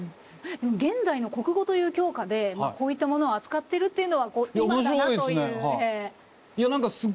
「現代の国語」という教科でこういったものを扱ってるっていうのは今だなという。